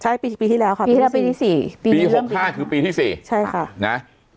ใช่ปีปีที่แล้วค่ะปีที่แล้วปีที่สี่ปีปี๖๕คือปีที่สี่ใช่ค่ะนะ